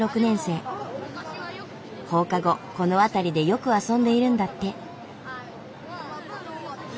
放課後この辺りでよく遊んでいるんだって。